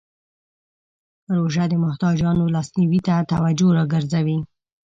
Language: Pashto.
روژه د محتاجانو لاسنیوی ته توجه راګرځوي.